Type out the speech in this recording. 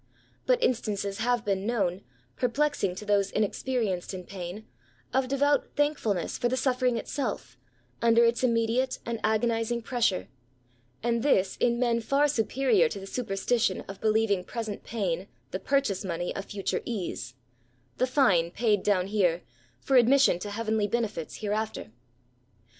Bat instances have been known, perplexing to those inexperienced in pain, of devout thankfulness for the suffering itself, under its immediate and ago nising pressure ; and this in men far superior to the superstition of believing present pain the purchase money of future ease, — ^the fine paid down here for admission to heavenly benefits hereafter.